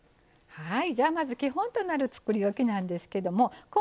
はい。